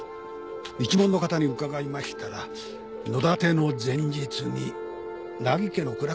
一門の方に伺いましたら野だての前日に名木家の蔵から出した茶わんだ